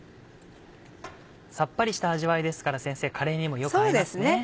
さっぱりした味わいですから先生カレーにもよく合いますね。